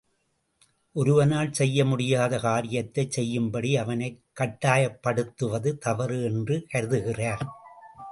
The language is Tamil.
ஒருவனால் செய்ய முடியாத காரியத்தைச் செய்யும் படி அவனைக் கட்டாயப்படுத்துவது தவறு என்றும் கருதுகிறார்.